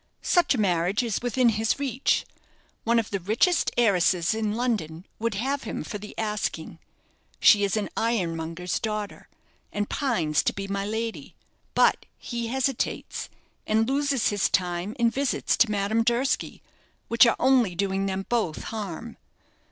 Such a marriage is within his reach; one of the richest heiresses in London would have him for the asking she is an ironmonger's daughter, and pines to be My Lady but he hesitates, and loses his time in visits to Madame Durski, which are only doing them both harm.